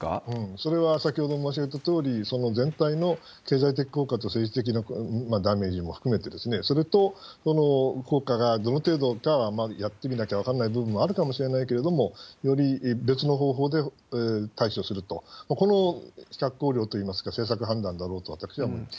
それは先ほど申し上げたとおり、全体の経済的効果と政治的なダメージも含めて、それとこの効果がどの程度かはやってみなきゃわからない部分もあるかもしれないけれども、より別の方法で対処すると、この企画綱領といいますか、政策判断だろうと私は思います。